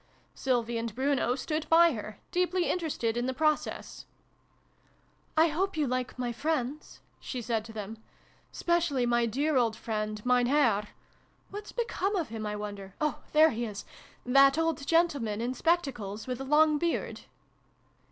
Sylvie and Bruno stood by her, deeply interested in the process. " I hope you like my friends ?" she said to them. " Specially my dear old friend, Mein Herr (What's become of him, I wonder ? Oh, there he is !), that old gentleman in spectacles, with a long beard